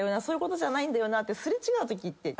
そういうことじゃないんだよなって。